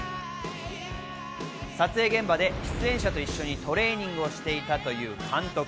撮影現場で出演者と一緒にトレーニングをしていたという監督。